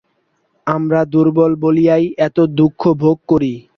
আমরা দুর্বল বলিয়াই এত দুঃখভোগ করি।